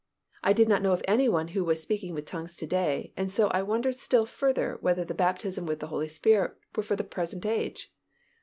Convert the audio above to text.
I did not know of any one who was speaking with tongues to day and so I wondered still further whether the baptism with the Holy Spirit were for the present age.